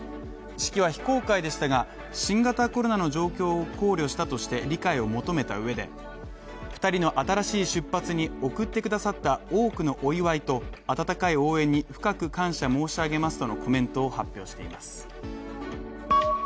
式は非公開でしたが新型コロナの状況を考慮したと理解を求めたうえで２人の新しい出発に送ってくださった多くのお祝いと温かい応援に深く感謝申し上げますとのコメントを発表しています。